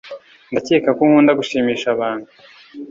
ndakeka ko nkunda gushimisha abantu